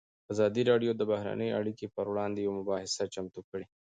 ازادي راډیو د بهرنۍ اړیکې پر وړاندې یوه مباحثه چمتو کړې.